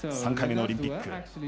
３回目のオリンピック。